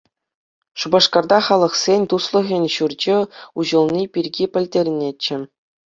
Шупашкарта Халӑхсен туслӑхӗн ҫурчӗ уҫӑлни пирки пӗлтернӗччӗ.